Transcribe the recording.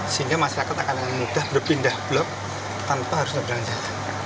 sehingga masyarakat akan mudah berpindah blok tanpa harus ngeberang jalan